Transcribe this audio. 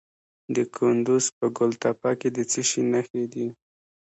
د کندز په ګل تپه کې د څه شي نښې دي؟